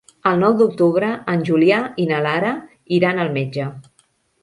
El nou d'octubre en Julià i na Lara iran al metge.